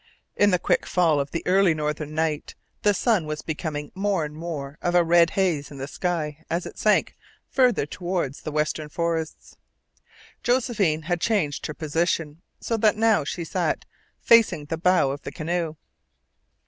In the quick fall of the early northern night the sun was becoming more and more of a red haze in the sky as it sank farther toward the western forests. Josephine had changed her position, so that she now sat facing the bow of the canoe.